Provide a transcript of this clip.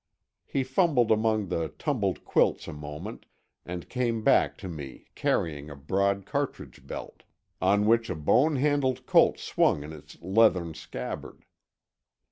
He fumbled among the tumbled quilts a moment and came back to me carrying a broad cartridge belt, on which a bone handled Colt swung in its leathern scabbard.